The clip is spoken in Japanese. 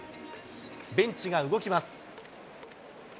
ベンチが動きます。